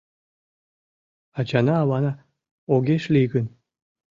Ачана-авана огеш лий гын